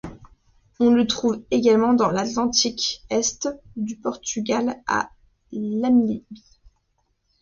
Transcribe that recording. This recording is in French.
On le trouve également dans l'Atlantique est, du Portugal à la Namibie.